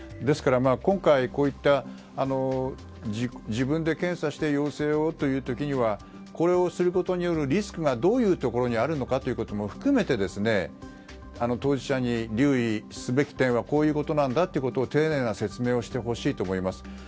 ですから、今回こういった自分で検査して陽性をという時にはこれをすることによるリスクがどういうところにあるのかというところも含めて当事者に留意すべき点はこういうことなんだということを丁寧な説明をしてほしいなと思います。